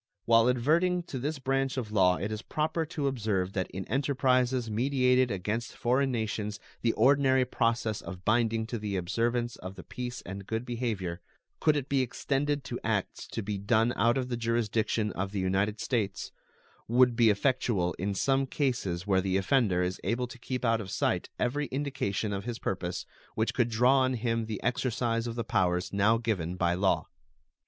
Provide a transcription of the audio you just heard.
While adverting to this branch of law it is proper to observe that in enterprises meditated against foreign nations the ordinary process of binding to the observance of the peace and good behavior, could it be extended to acts to be done out of the jurisdiction of the United States, would be effectual in some cases where the offender is able to keep out of sight every indication of his purpose which could draw on him the exercise of the powers now given by law.